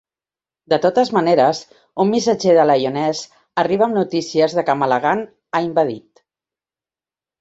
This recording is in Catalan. De totes maneres, un missatger de Lyonesse arriba amb notícies de que Malagant ha invadit.